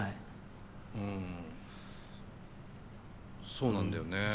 そうなんだよね。